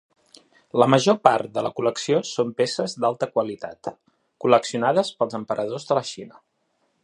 La major part de la col·lecció són peces d'alta qualitat col·leccionades pels emperadors de la Xina.